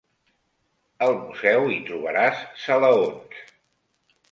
Al museu hi trobaràs salaons.